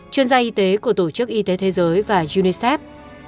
chuyên gia y tế của tổ chức y tế thế giới và unicef